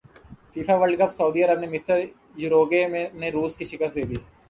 FIFA World Cup سعودی عرب نے مصر یوروگوئے نے روس کو شکست دیدی